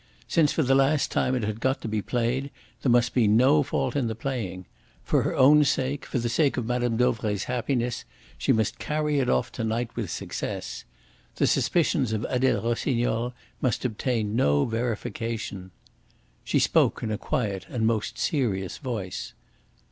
Since for the last time it had got to be played, there must be no fault in the playing. For her own sake, for the sake of Mme. Dauvray's happiness, she must carry it off to night with success. The suspicions of Adele Rossignol must obtain no verification. She spoke in a quiet and most serious voice.